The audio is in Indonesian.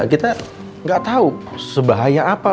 kita gak tau sebahaya apa